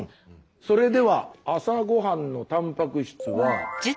それでは朝ごはんのたんぱく質は。